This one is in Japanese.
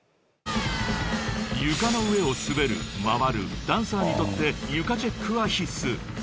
［床の上を滑る回るダンサーにとって床チェックは必須］